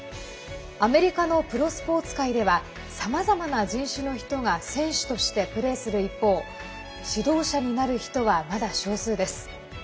アメリカのプロスポーツ界ではさまざまな人種の人が選手としてプレーする一方指導者になる人は、まだ少数です。